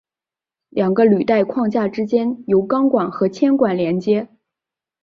两个履带框架之间由钢管和铅管连接。